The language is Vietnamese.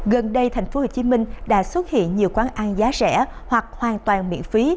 gần đây thành phố hồ chí minh đã xuất hiện nhiều quán ăn giá rẻ hoặc hoàn toàn miễn phí